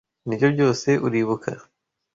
Nibyo byose uribuka?